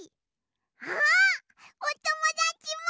あっおともだちも！